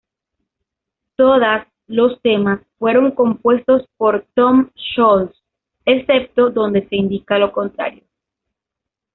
Todas los temas fueron compuestos por Tom Scholz, excepto donde se indica lo contrario.